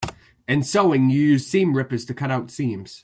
In sewing, you use seam rippers to cut seams.